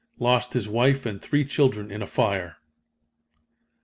Lost his wife and three children in a fire.